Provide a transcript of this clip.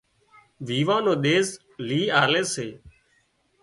ويوان نو ۮيز لئي آلي سي